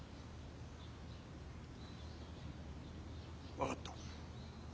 分かった。